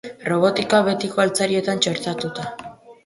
Robotika betiko altzarietan txertatuta.